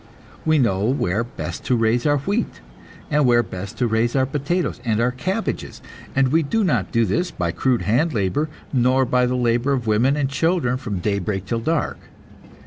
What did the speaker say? We know where best to raise our wheat, and where best to raise our potatoes and our cabbages, and we do not do this by crude hand labor, nor by the labor of women and children from daybreak till dark.